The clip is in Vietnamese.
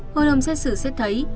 hội đồng xét xử xét thấy